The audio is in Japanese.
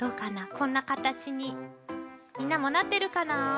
こんなかたちにみんなもなってるかな？